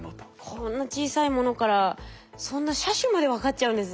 こんな小さいものからそんな車種まで分かっちゃうんですね。